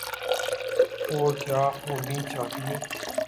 اور کیا ہونی چاہیے۔